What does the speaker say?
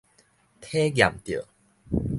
體驗著